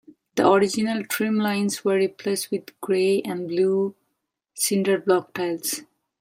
The original trim lines were replaced with gray and blue cinderblock tiles.